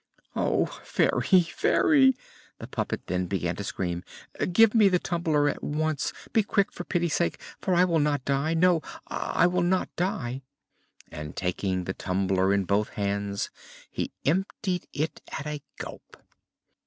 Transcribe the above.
"Oh, Fairy, Fairy!" the puppet then began to scream, "give me the tumbler at once; be quick, for pity's sake, for I will not die no, I will not die." And, taking the tumbler in both hands, he emptied it at a gulp.